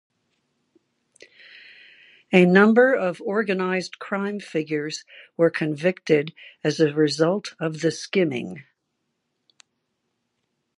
A number of organized crime figures were convicted as a result of the skimming.